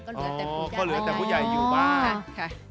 คือเหลือแต่ผู้ใหญ่อยู่บ้าน